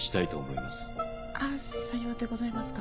あっさようでございますか。